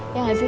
iya gak sih